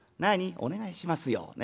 「お願いしますよね！